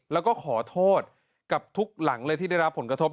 แล้วก็ขอโทษกับทุกหลังเลยที่ได้รับผลกระทบ